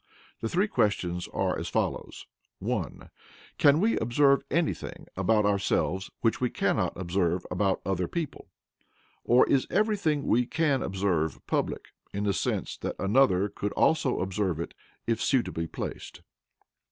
The three questions are as follows: (1) Can we observe anything about ourselves which we cannot observe about other people, or is everything we can observe PUBLIC, in the sense that another could also observe it if suitably placed?